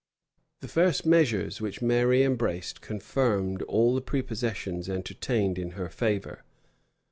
The first measures which Mary embraced confirmed all the prepossessions entertained in her favor.